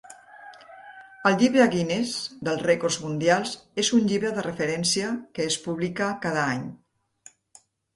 El Llibre Guinness dels rècords mundials és un llibre de referència que es publica cada any.